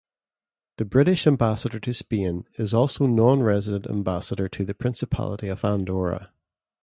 The British ambassador to Spain is also non-resident ambassador to the Principality of Andorra.